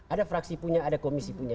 ada fraksi punya ada komisi punya